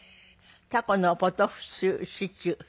タコのポトフ風シチュー。